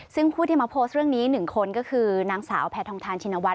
ซึ่งผู้ที่มาโพสต์เรื่องนี้๑คนก็คือนางสาวแพทองทานชินวัฒ